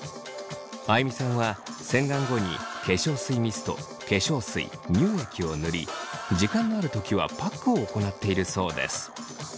あいみさんは洗顔後に化粧水ミスト化粧水乳液を塗り時間のある時はパックを行っているそうです。